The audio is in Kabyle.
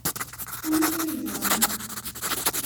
Aniwa yeẓran?